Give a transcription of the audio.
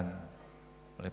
untuk berkata itulah